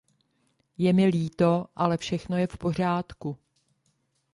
Je mi líto, ale všechno je v pořádku!